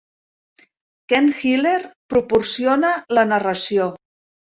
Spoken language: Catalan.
Ken Hiller proporciona la narració.